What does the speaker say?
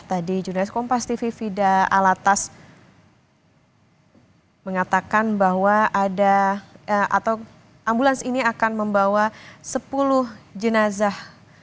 tadi jurnalis kompas tv fida alatas mengatakan bahwa ada atau ambulans ini akan membawa sepuluh jenazah